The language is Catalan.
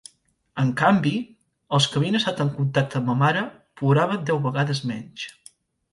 En canvi, els que havien estat en contacte amb la mare ploraven deu vegades menys.